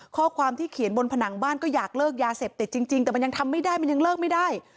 ข้อความที่เขียนบนผนังบ้านก็อยากเลิกยาเสพติดจริงแต่มันยังทำไม่ได้มันยังเลิกไม่ได้